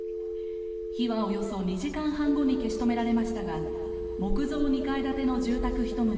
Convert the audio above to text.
火はおよそ２時間半後に消し止められましたが木造２階建ての住宅１棟